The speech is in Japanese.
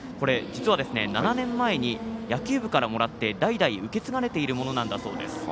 実は、７年前に野球部からもらって代々受け継がれているものなんだそうです。